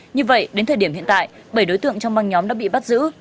như vậy đến thời điểm hiện tại bảy đối tượng trong băng nhóm đã bị bắt giữ